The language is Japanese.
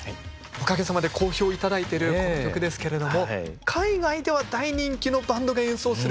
おかげさまで好評いただいてるこの曲ですけれども海外では大人気のバンドで演奏するエスニック感あふれる民謡。